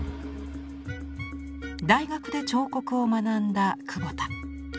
大学で彫刻を学んだ久保田。